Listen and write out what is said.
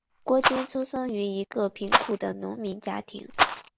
郭坚出生于一个贫苦的农民家庭。